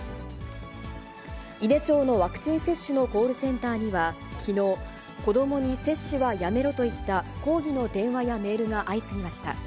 伊根町のワクチン接種のコールセンターには、きのう、子どもに接種はやめろといった抗議の電話やメールが相次ぎました。